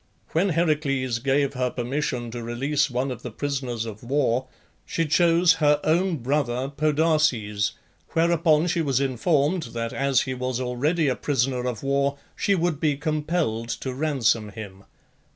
When Heracles gave her permission to release one of the prisoners of war she chose her own brother Podarces, whereupon she was informed that as he was already a prisoner of war she would be compelled to ransom him.